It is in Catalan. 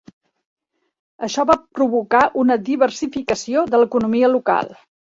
Això va provocar una diversificació de l'economia local.